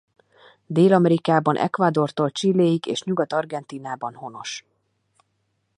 Dél-Amerikában Ecuadortól Chiléig és Nyugat-Argentínában honos.